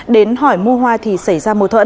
đến hỏi mua hoa thì xảy ra mâu thuẫn